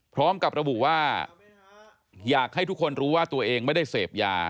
พร้อมกับระบุว่าอยากให้ทุกคนรู้ว่าตัวเองไม่ได้เสพยา